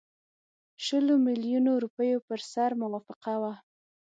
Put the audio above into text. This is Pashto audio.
شلو میلیونو روپیو پر سر موافقه وه.